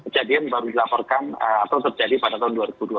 jadi baru dilaporkan atau terjadi pada tahun dua ribu dua puluh dua